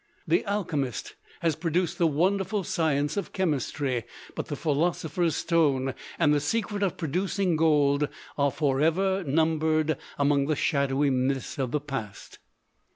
The alchemist has produced the wonderful science of chemistry; but the philosopher's stone and the secret of producing gold are forever numbered among the shadowy myths of the past.